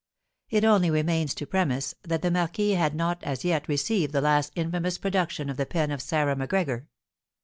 It only remains to premise that the marquis had not as yet received the last infamous production of the pen of Sarah Macgregor.